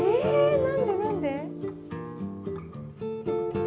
何で何で？